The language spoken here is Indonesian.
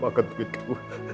papa akan tunggu kamu